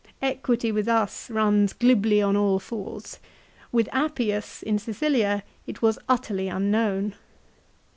" Equity with us runs glibly on all fours. With Appius in Cilicia it was utterly unknown.